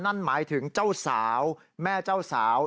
นั่นหมายถึงเจ้าสาวแม่เจ้าสาว